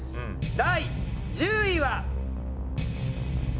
第１０位は。